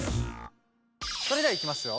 それではいきますよ。